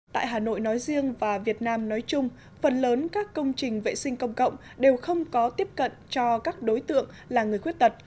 tại hà nội nói riêng và việt nam nói chung phần lớn các công trình vệ sinh công cộng đều không có tiếp cận cho các đối tượng là người khuyết tật